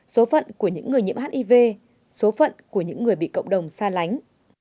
số phận của những người nhiễm hiv số phận của những người bị cộng đồng xa lánh